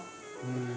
うん。